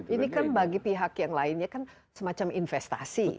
ini kan bagi pihak yang lainnya kan semacam investasi